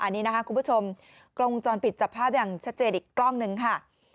อันนี้นะคะคุณผู้ชมกล้องวงจรปิดจับภาพอย่างชัดเจนอีกกล้องหนึ่งค่ะ